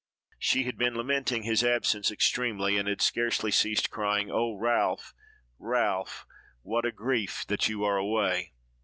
She had been lamenting his absence extremely, and had scarcely ceased crying, "Oh, Ralph, Ralph! what a grief that you are away!"